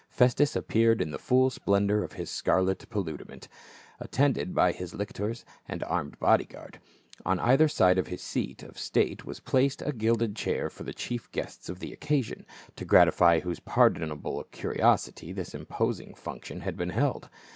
Festus appeared in the full splendor of his scarlet paludament, attended by his lictors and armed body guard. On either side of his seat of state was placed a gilded chair for the chief guests of the occasion, to gratify whose pardonable curiosity this imposing function had been held.